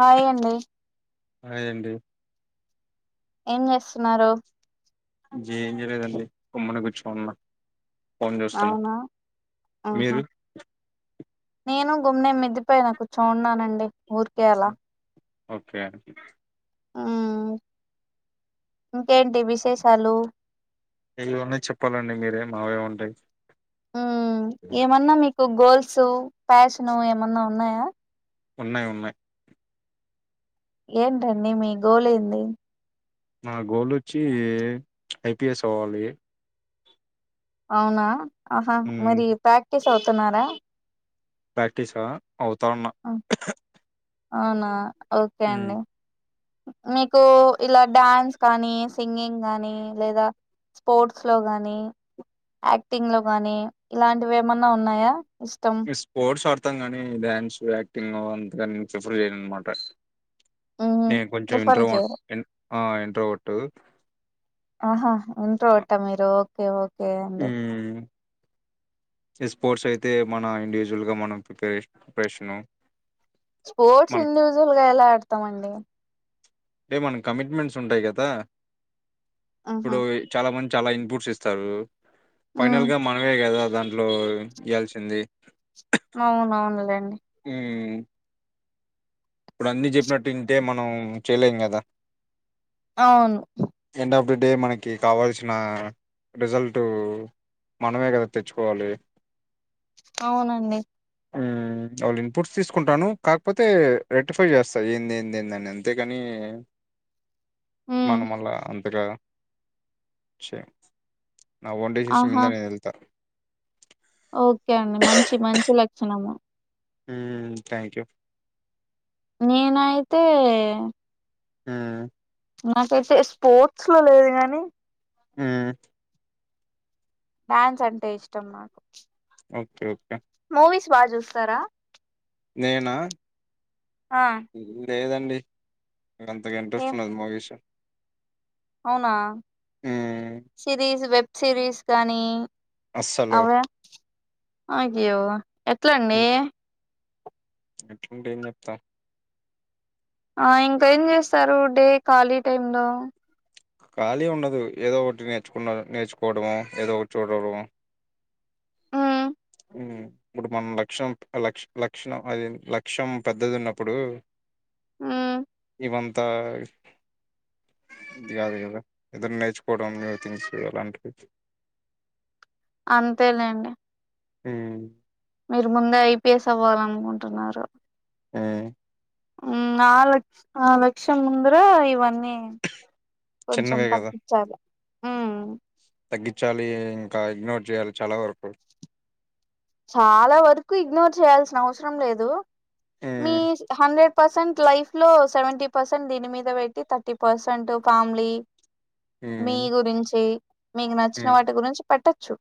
హాయ్యండి hi అండి ఏం చేస్తున్నారు ఏం చేయలేదండి గుమ్మున కూర్చోని ఉన్న అవునా ఆహా మీరు నేను గుమ్నే మిద్దపైన కూర్చోనున్ననండి ఊరికే అలా ఓకే అండి మ్ ఇకేంటి విషేశాలు మావెం ఉంటాయి మ్ ఏమన్నా మీకు గోల్స్ ప్యాషను ఏమన్నా ఉన్నాయా ఉన్నాయి ఉన్నాయి్ ఏంటండి మీ గోల్ ఏంది నా గోల్ వచ్చి ఐపిఎస్ అవ్వాలి అవునా ఆహా ఉమ్ మరి ప్రాక్టీస్ అవుతున్నారా ప్రాక్టీసా అవుతా ఉన్నా ఉమ్, అవునా ఓకే ఉమ్. అండి మీకు ఇలా డ్యాన్స్ కానీ సింగింగ్ గానీ లేదా స్పోర్ట్స్ లో గాని యాక్టింగ్ లో గాని ఇలాంటివేమన్నా ఉన్నాయా ఇష్టం స్పోర్ట్స్ అడుతం కానీ డ్యాన్సు యాక్టింగ్ అవి అంతగా నేను ప్రిఫర్ చేయనన్నమాట మ్మ్ నేను కొంచెం ప్రిఫర్ ఇంట్రవర్ట్ చేయరు ఇం ఆ ఇంట్రవర్ట్ ఆహా ఇంట్రవర్ట మీరు ఓకే ఓకే అండి మ్ ఈ స్పోర్ట్స్ అయితే మన ఇండివిజువల్గా మనం ప్రిపరే ప్రిపరేషను స్పోర్ట్స్ ఇండివిజువల్ గా ఎలా ఆడుతామండి అంటే మనకి కమిట్మెంట్స్ ఉంటాయి కదా ఆహా ఇప్పుడు చాలా మంది చాలా ఇన్పుట్స్ ఇస్తారు ఫైనల్ మ్మ్ గా మనమే కదా దాంట్లో ఇల్సింది అవునవునులేండి మ్ ఇప్పుడు అన్ని చెప్పినట్టు వింటే మనం చేయలేం కదా అవును ఎండ్ ఆఫ్ డే మనకి కావాల్సిన రిజల్టు మనమే కదా తెచ్చుకోవాలి అవునండి ఉమ్ వాళ్ళు ఇన్పుట్స్ తీసుకుంటాను కాకపోతే రెక్టిఫై చేస్తా ఏంది ఏంది ఏందని అంతే కాని మ్మ్ మనం అలా చే గా నా ఫోన్ డెసిషన్స్ ఆహా మీద నేను వెళ్త ఓకే అండి మంచి మంచి లక్షణము ఉమ్ థ్యాంక్ యూ నేనైతే ఉమ్ నాకైతే స్పోర్ట్స్ లో లేదు గానీ ఉ డ్యాన్స్ అంటే ఇష్టం నాకు ఓకే ఓకే మూవీస్ బాగా చూస్తారా నేనా ఆ లేదండి నాకు అంతగా ఇంట్రెస్ట్ ఏం ఉన్నది మూవీస్ అవునా హ్మ్. సిరీస్ వెబ్ సిరీస్ కానీ అస్సలు అవి అయ్యో ఎట్ల అండి ఎట్లాంటే ఏం చెప్తా ఆ ఇంకా ఏం చేస్తారు డే ఖాళీ టైమ్ లో ఖాళీ ఉండదు ఏదో ఒకటి నేర్చుకున్న నేర్చుకోవడమో ఏదో ఒకటి చూడడమో మ్మ్ ఇప్పుడు మన లక్ష్యం ల లక్షం అది లక్ష్యం పెద్దది ఉన్నప్పుడు ఉ వంత ఇది కాదు కదా ఏదైనా నేర్చుకోవడం న్యూ థింగ్స్ అలాంటివి అంతేలేండి ఉమ్ మీరు ముందే ఐపీఎస్ అవ్వాలి అనుకుంటున్నారు ఉమ్ ఉ నలక్ష ఆ లక్ష్యం ముందర ఇవన్నీ ఉమ్ కొంచెం చిన్నవే కదా! తగ్గించాలి మ్మ్ తగ్గించాలి ఇంకా ఇగ్నోర్ చేయాలి చాలా వరకు చాలా వరకు ఇగ్నోర్ చేయాల్సిన అవసరం లేదు మీ హ్మ్. హండ్రెడ్ పర్సెంట్ లైఫ్ లో సెవెంటీ పర్సెంట్ దీని మీద పెట్టి థర్టీ పర్సెంట్ ఫ్యామిలీ మీ హ్మ్. గురించి మీకు నచ్చిన హ్మ్. వాటి గురించి పెట్టచ్చు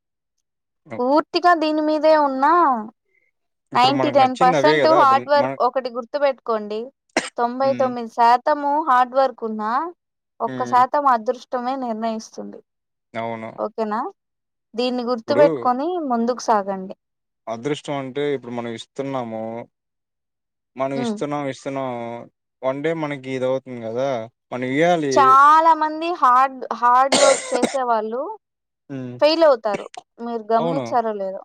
పూర్తిగా దీని మీదే ఉన్నా ఇప్పుడు నైన్టీ మనకు నైన్ నచ్చింది అవే పర్సెంట్ కదా! ఇప్పుడు హార్డ్ మన వర్క్ ఒకటి గుర్తు పెట్టుకోండి తొంభై హ్మ్. తొమ్మిది సాత్ మొత్తము హార్డ్ వర్క్ ఉన్నా ఒక్క హ్మ్. శాతం అదృష్టమే నిర్ణయిస్తుంది అవును. ఓకేనా దీన్ని గుర్తు ఇప్పుడు పెట్టుకొని ముందుకు సాగండి అదృష్టం అంటే ఇప్పుడు మనం ఇస్తున్నాము మనం ఉమ్ ఇస్తున్నాం ఇస్తు తను వన్ డే మనకి ఇది అవుతుంది కదా మనం ఇయ్యాలి చాలా మంది హార్డ్ హార్డ్ వర్క్ చేసే వాళ్ళు హ్మ్. ఫెయిల్ అవుతారు మీరు అవును గమనించారో లేదో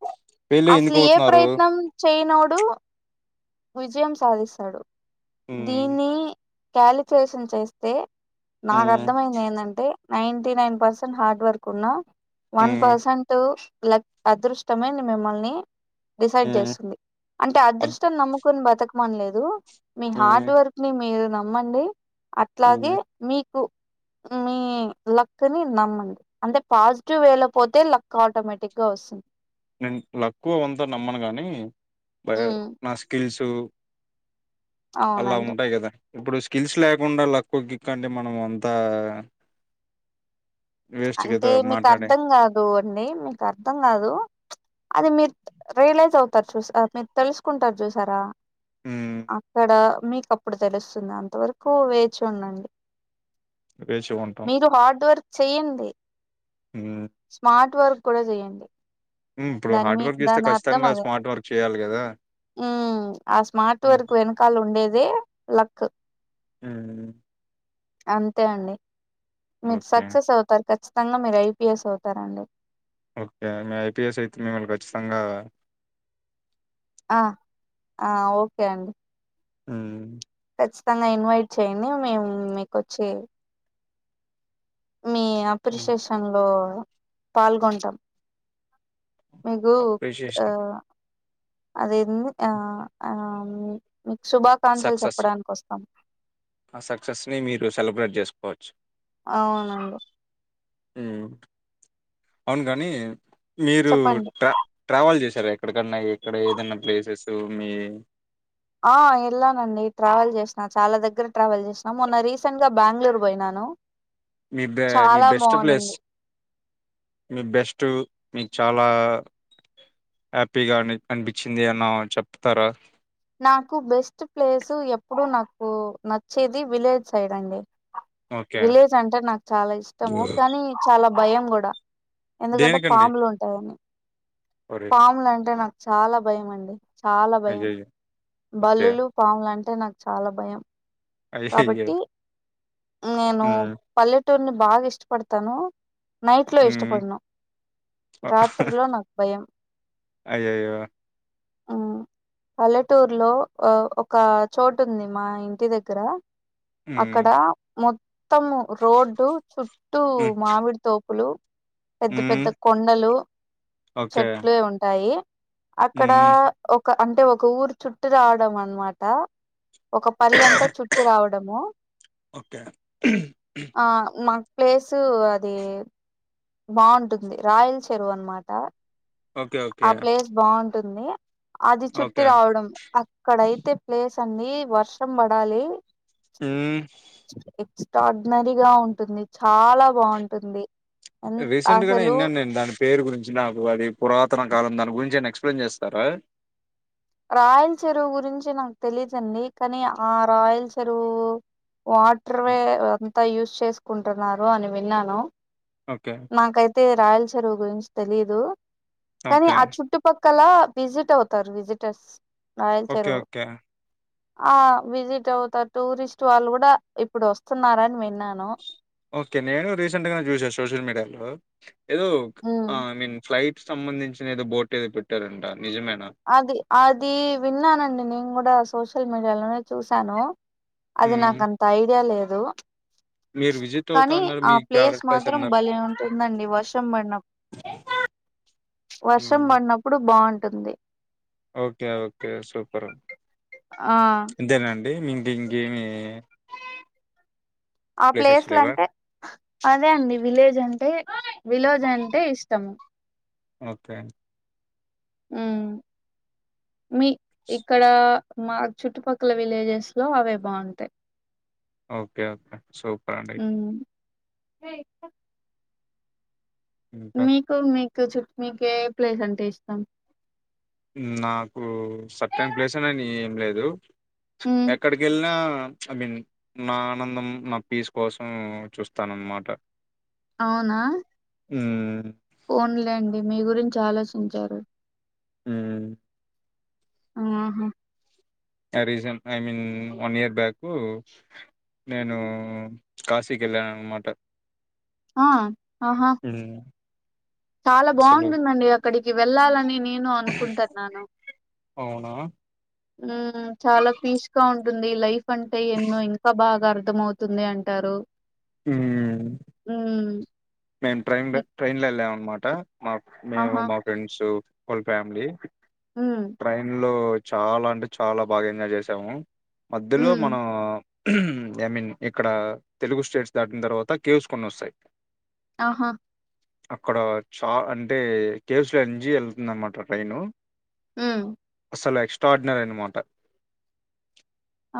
వీళ్ళు ఎందుకు అసలు ఏ అవుతున్నారు ప్రయత్నం చేయనోడు విజయం సాధిస్తాడు ఉమ్ దీన్ని కాలిక్యులేషన్ చేస్తే నాకు ఉమ్ అర్థమైంది ఏందంటే నైంటి నైన్ పర్సెంట్ హార్డ్వర్క్ ఉన్నా వన్ ఉమ్ పర్సెంట్ లక్ అదృష్టమైడి మిమ్మల్ని డిసైడ్ ఉమ్ చేస్తుంది అంటే అద్ అదృష్టం నమ్ముకొని బతకమని లేదు మీ ఉమ్ హార్డ్వర్క్‌ని మీరు నమ్మండి అట్లాగే ఉమ్ మీకు మీ లక్‌ ని నమ్మండి అంటే పాజిటివ్ వేలో పోతే లక్ ఆటోమేటిక్గా వస్తుంది నేను లక్కు అవంత నమ్మను గానీ బై ఉమ్ నాస్కిల్సు అలా అవునండి ఉంటాయి కదా ఇప్పుడు స్కిల్స్ లేకుండా లక్కు గిక్కు అంటే మనం అంతా వేస్ట్ కదా అంటే మీకు మాట్లాడే అర్ధం కాదు అండి మీకు అర్ధం కాదు అది మీరు రియలైజ్ అవుతారు చూసా మీరు తెలుసుకుంటారు చూసారా ఉమ్ అక్కడ మీకు అప్పుడు తెలుస్తుంది అంత వరకు వేచూండండి మీరు హార్డ్ వర్క్ చెయం ఉమ్మ్ ర్ట్ వర్క్ కూడా చేయండి ఉమ్మ్ ఇప్పుడు హార్డ్ వర్క్ చేస్తే ఖచ్చితంగా స్మార్ట్ వర్క్ చేయాలి కదా ఉమ్మ్ ఆ స్మార్ట్ ఉమ్ వర్క్ వెనకాల ఉండేదే లక్ ఉమ్మ్ అంతే అండి మీరు ఓకే సక్సెస్ అవుతారు ఖచ్చితంగా మీరు ఐపీఎస్ అవుతారండి ఓకే మె ఐపీఎస్ అయితే మిమ్మల్ని ఖచ్చితంగా ఆ ఆ ఓకే అండి ఉమ్మ్ ఖచ్చితంగా ఇన్వైట్ చేయండి మేము మీకుొచ్చి మీ అప్రిషియేషన్లో పాల్గొంటాం మీకు ఆ అప్రిషియేషన్ అదేంది ఆ ఆ మీకు శుభాకాంక్షలు సక్సెస్ చెప్పడానికి వస్తాం ఆ సక్సెస్ని మీరు సెలబ్రేట్ చేసుకోవచ్చు అవునండి ఉమ్మ్ అవును కాని మీరు చెప్పండి ట్రా ట్రావెల్ చే శారా ఎక్కడకన్నా ఎక్కడ ఏదన్నా ప్లేసెస్ మీ ఆ ఎళ్లానండి ట్రావెల్ చేసిన చాలా దగ్గర ట్రావెల్ చేసినా మొన్న రీసెంట్గా బెంగళూరు పోయినా ను మీ బే మీ బెస్ట్ ప్లేస్ మీ బెస్టు మీకు చాలా హ్యాపీగా అని అనిపిచింది ఎమన్న చెప్తారా నాకు బెస్ట్ ప్లేసు ఎప్పుడు నాకు నచ్చేది విలేజ్ సైడ్ అండి ఓకే విలేజ్ అంటే నాకు చాలా ఇష్టము కానీ చాలా భయం కూడా ఎందుకంటే దేనికండి పాములు ఉంటాయన్నీ సారీ పాములంటే నాకు చాలా భయమండి చాలా భయం అయ్యయ్యో ఓకే బల్లులు పాములు అంటే నాకు చాలా భయం అయ్యయ్యో కాబట్టి నేను హ్మ్ పల్లె టూర్ని బాగా ఇష్టపడతాను నైట్ లో ఇష్టపడను రాత్రిలో నాకు భయం అయ్యోయో ఉమ్మ్ పల్లెటూరులో ఒక చోటు ఉంది మా ఇంటి దగ్గర హ్మ్. అక్కడ మొత్తము రోడ్డు చుట్టూ హ్మ్. మామిడితో ప్పులు పెద్ద పెద్ద హ్మ్. కొండలు ఓకే చెట్లే ఉంటాయి అక్కడ హ్మ్. ఒక అంటే ఒక ఊరు చుట్టూ రావడం అనమాట ఒక పల్లంతా చుట్టి రావడము ఓకే. ఆ మా ప్లేసు అది బాగుంటుంది రాయల్ చెరువు అనమాట ఓకే. ఆ ఓకే. ప్లేస్ బాగుంటుంది అది చుట్టి ఓకే. రావడం అక్కడయితే అ ప్లేస్ అండి వర్షం పడాలి ఆ ఆర్డినరీగా ఉంటుంది చాలా బాగుంటుంది ఎన్ రీసెంట్ గానే అసలు ఇన్నాను నేను దాని పేరు గురించి నాకు అది పురాత తన కాలం దాని గురించి ఏం అయినా ఎక్స్ప్లెయిన్ చేస్తారా రాయల్ చెరువు గురించి నాకు తెలిదుండి కానీ ఆ రాయల్ చెరువు వాటర్ వే అంతా యూస్ చేసుకుంటున్నారు అని విన్నాను ఓకే. నాకైతే రాయల చెరువు గురించి తెలిదు కానీ ఓకే. ఆ చుట్టుపక్కల విజిట్ అవుతారు విజిటర్స్ రాయల్ ఓకే చెరువు ఓకే ఆ విజిట్ అవుతారు టూరిస్ట్ వాళ్ళు కూడా ఇప్పుడు వస్తున్నారని విన్నాను ఓకే నేను రీసెంట్ గా చూసా సోషల్ మీడియాలో ఏదో ఉమ్ ఐ మీన్ ఫ్లైట్ సంబంధించిన ఏదో బోట్ ఏదో పెట్టారుంట అది అది విన్నానండి నేను కూడా సోషల్ మీడియాలోనే చూశాను అది హ్మ్. నాకంత ఐడియా లేదు మీరు విజిట్ అవుతా కానీ అన్నారు. మీ ఆ ప్లేస్ ఫేవరెట్ మాత్రం అన్నారు. బలే ఉంటుందండి వర్షం పడిన వర్షం హ్మ్. పడినప్పుడు బాగుంటుంది ఓకే ఓకే సూపర్ ఆ అండి ఇంకేమీ ఆ ప్లేస్లు అంటే అదే అండి విలేజ్ అంటే విలోజ్ అంటే ఇష్టము ఓకే ఉ మీ ఇక్కడ మాకు చుట్టుపక్కల విలేజెస్ లో అవే బాగుంటాయి ఓకే ఓకే సో అ ఇంకా మీకు మీకు చ మీకు ఏ ప్లేస్ అంటే ఇష్టం నాకు సట్న్ ప్లేస్ అని ఏం లేదు ఉమ్ ఎక్కడికి వెళ్లినా ఐ మీన్ నా ఆనందం నా పీస్ కోసం చూస్తానన్నమాట అవునా ఉమ్ ఫోన్లేండి మీ గురించి ఆలోచించారు ఉమ్ ఆహా recent I mean one year back నేను కాశీకి వెళ్ళాను అనిమాట ఆ ఆహా చాలా అసలు బాగుంటుందండి అక్కడికి వెళ్ళాలని నేను అనుకుంటున్నాను అవునా ఉ చాలా పీస్గా ఉంటుంది లైఫ్ అంటే ఎన్నో ఇంకా బాగా అర్థంమవుతుంది అంటారు హ్మ్ మేము ట్రైన్ హ్మ్. ట్రైన్ లో వెళ్ళాం అనమాట మా మేము ఆహా! మా ఫ్రెండ్స్ వల్ ఫ్యామిలీ హ్మ్. ట్రైన్ లో చాలా అంటే చాలా బాగా ఎంజాయ్ చేసాము మధ్యలో హ్మ్. మనము ఐ మీన్ ఇక్కడ తెలుగు స్టేట్స్ దాటిన తర్వాత కేవ్స్ కొన్ని వస్తయి ఆహా అక్కడ చా అంటే కేవస్ ఎన్జి వెళ్తుంద అన్నమాట ట్రైను ఉ చాల ఎక్సటార్డినరి అనమాట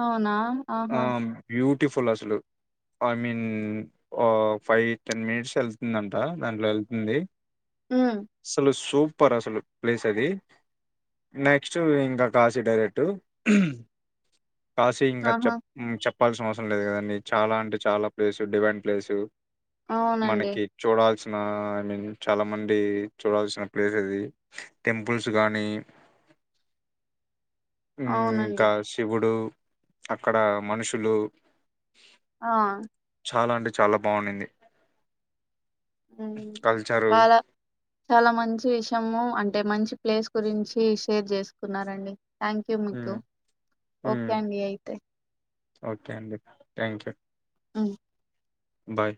అవునా ఆ ఆహా బ్యూటిఫుల్ అసలు ఐ మీన్ఓ ఫైవ్ టెన్ మినిట్స్ వెళ్తుందంట దాంట్లో వెళ్తుంది హ్మ్. ససలు సూపర్ అసలు ప్లేస్ అది నెక్స్ట్ ఇంకా కాసి డైరెట్ కాసి ఇంకా ఆహా! చెప్ చెప్పాల్సిన అవసరం లేదు కదండి చాలా అంటే చాలా ప్లేసు డివైన్ ప్లేసు అవునండి. మనకి చూడాల్సిన మా ఐ మీన్ చాలా మంది చూడాల్సిన ప్లేస్ ఇది టెంపుల్స్ గాని అవునండి. ఇంకా శివుడు అక్కడ మనుషులు ఆ చాలా అంటే చాలా బాగుంది చాలా చాలా మంచి విషము అంటే మంచి ప్లేస్ గురించి షేర్ చేసుకున్నారండి థ్యాంక్ యూ ముదు ఓకే అండి అయితే ఓకే అండి థ్యాంక్ యూ అవు బాయ్